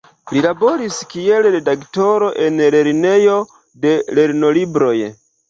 Li laboris kiel redaktoro en eldonejo de lernolibroj.